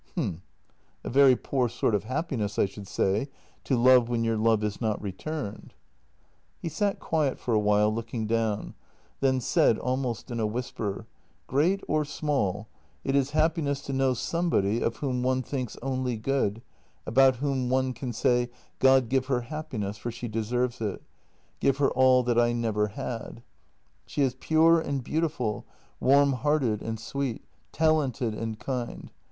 " H'm. A very poor sort of happiness, I should say, to love when your love is not returned." i88 JENNY He sat quiet for a while, looking down; then said almost in a whisper: " Great or small, it is happiness to know somebody of whom one thinks only good, about whom one can say: God give her happiness, for she deserves it — give her all that I never had. She is pure and beautiful, warm hearted and sweet, talented and kind.